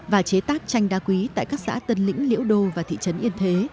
và chế tác tranh đá quý tại các xã tân lĩnh liễu đô và thị trấn yên thế